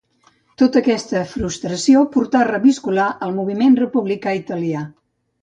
Tota aquesta frustració portà a reviscolar el moviment republicà italià.